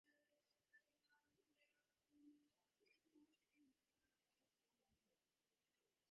ހުރިހާ އެންމެންނަކީވެސް ޤާނޫނުގެ ކުރިމަތީގައި ހަމަހަމަވެގެންވާ ބައެއް